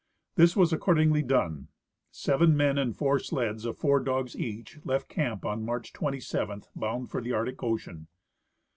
This was accordingly done. Seven men and four sleds of four dogs each left camp on March 27, bound for the Arctic ocean.